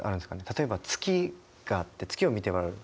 例えば月があって月を見て笑う。